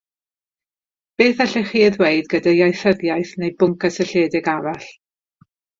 Beth allech chi ei wneud gydag ieithyddiaeth neu bwnc cysylltiedig arall?